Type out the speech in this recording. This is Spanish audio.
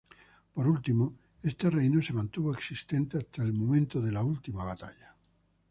Por último, este reino se mantuvo existente hasta el momento de "La Última Batalla".